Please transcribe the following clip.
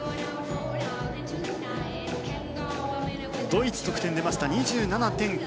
ドイツの得点が出ました２７．９５０。